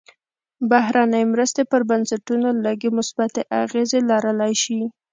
بهرنۍ مرستې پر بنسټونو لږې مثبتې اغېزې لرلی شي.